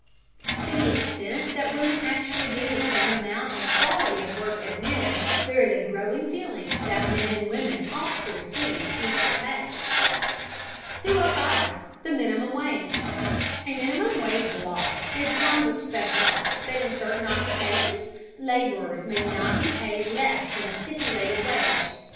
To the extent that women actually do the same amount and quality of work as men, there is a growing feeling that men and women ought to receive equal pay. 205. THE MINIMUM WAGE. A minimum wage law is one which specifies that in certain occupations laborers may not be paid less than a stipulated wage.